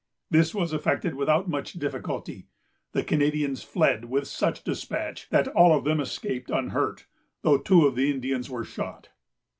This was effected without much difficulty. The Canadians fled with such despatch, that all of them escaped unhurt, though two of the Indians were shot.